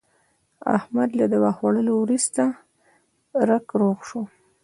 احمد له دوا خوړلو ورسته رک روغ شو.